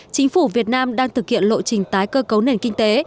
chính phủ việt nam đang thực hiện lộ trình tái cơ cấu nền kinh tế